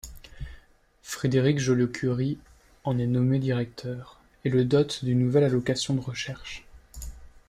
Frédéric Joliot-Curie en est nommé directeur et le dote de nouvelles Allocations de recherche.